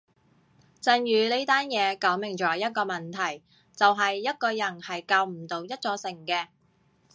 震宇呢單嘢講明咗一個問題就係一個人係救唔到一座城嘅